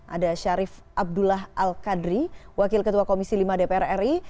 ada syarif abdullah al qadri wakil ketua komisi lima dpr ri